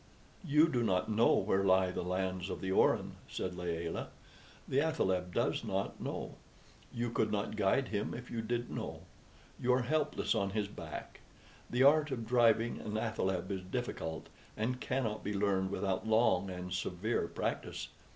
"You do not know where lie the lands of the Orin," said Layelah. "The athaleb does not know. You could not guide him if you did know. You are helpless on his back. The art of driving an athaleb is difficult, and cannot be learned without long and severe practice.